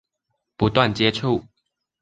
不斷接觸